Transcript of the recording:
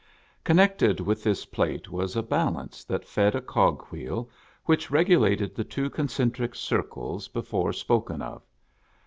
Connected with this plate was a balance that fed a cog wheel which regulated the two concentric circles before spoken of.